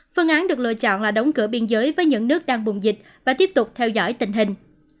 phương án được lựa chọn là đóng cửa biên giới với những nước đang bùng dịch và tiếp tục theo dõi tình hình